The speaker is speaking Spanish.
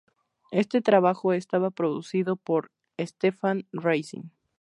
Este trabajo estaba producido por Stepan Razin.